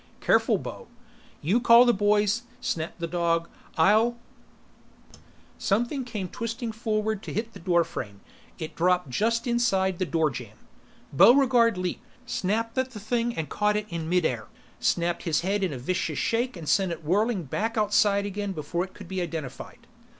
"Careful, Bo!" "You call the boys," snapped the dog. "I'll "Something came twisting forward to hit the doorframe, it dropped just inside the doorjamb. Buregarde leaped, snapped at the thing and caught it in midair, snapped his head in a vicious shake and sent it whirling back outside again before it could be identified.